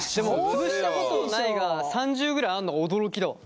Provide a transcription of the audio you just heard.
潰したことないが３０ぐらいあんの驚きだわ。